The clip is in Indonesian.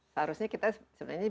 seharusnya kita sebenarnya